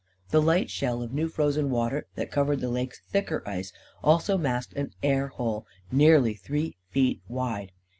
The light shell of new frozen water that covered the lake's thicker ice also masked an air hole nearly three feet wide.